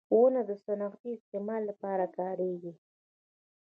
• ونه د صنعتي استعمال لپاره کارېږي.